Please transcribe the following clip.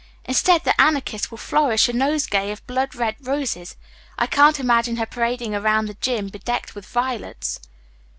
Instead, the Anarchist will flourish a nosegay of blood red roses. I can't imagine her parading around the gym. bedecked with violets."